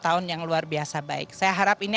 tahun yang luar biasa baik saya harap ini